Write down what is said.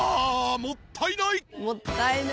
もったいない！